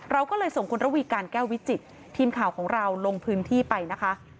เราก็เลยส่งคุณระวีการแก้ววิจิตทีมข่าวของเราลงพื้นที่ไปนะคะ